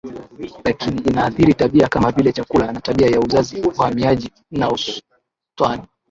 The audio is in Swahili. lakini inaathiri tabia kama vile chakula na tabia ya uzazi uhamiaji na ustawi